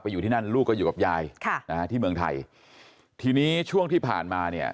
อยู่ที่นั่นลูกก็อยู่กับยายค่ะนะฮะที่เมืองไทยทีนี้ช่วงที่ผ่านมาเนี่ย